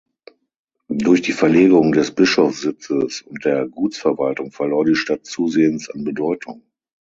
Durch die Verlegung des Bischofssitzes und der Gutsverwaltung verlor die Stadt zusehends an Bedeutung.